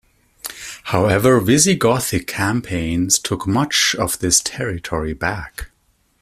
However, Visigothic campaigns took much of this territory back.